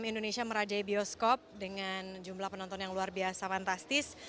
indonesia merajai bioskop dengan jumlah penonton yang luar biasa fantastis